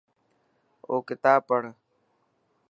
او ڪتاب پڙهه